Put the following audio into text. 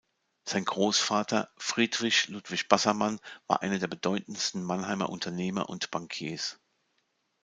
Sein Großvater "Friedrich Ludwig Bassermann" war einer der bedeutendsten Mannheimer Unternehmer und Bankiers.